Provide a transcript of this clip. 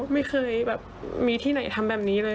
ไม่เคยแบบมีที่ไหนทำแบบนี้เลย